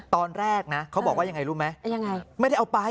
ตอนแรกนะเขาบอกว่ายังไงรู้ไหมไม่ได้เอาไป